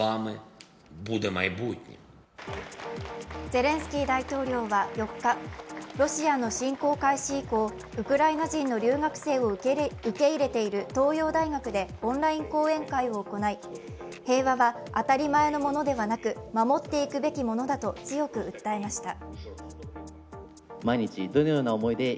ゼレンスキー大統領は４地ロシアの侵攻開始以降、ウクライナ人の留学生を受け入れている東洋大学でオンライン講演会を行い、平和は当たり前のものではなく守っていくべきものだと強く訴えました。